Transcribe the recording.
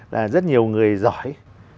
là rất nhiều người giỏi